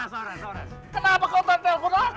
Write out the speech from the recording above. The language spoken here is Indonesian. kenapa kau tampil kotaku